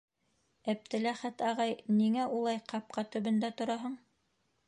Әптеләхәт ағай, ниңә улай ҡапҡа төбөндә тораһың?